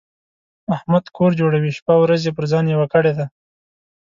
احمد کور جوړوي؛ شپه او ورځ يې پر ځان یوه کړې ده.